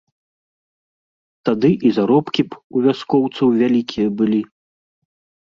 Тады і заробкі б у вяскоўцаў вялікія былі.